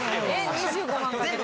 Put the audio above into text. ２５万かけて？